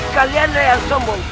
kalian yang sombong